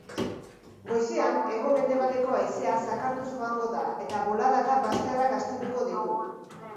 Goizean hego-mendebaldeko haizea zakartuz joango da eta boladaka bazterrak astinduko ditu.